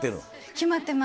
決まってます。